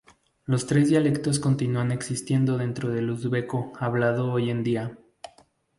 Los tres dialectos continúan existiendo dentro del uzbeko hablado hoy en día.